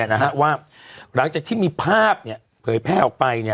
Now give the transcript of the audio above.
หึงขึ้นกับว่าหลังจากที่มีภาพเนี่ยเพลยแพร่ออกไปเนี่ย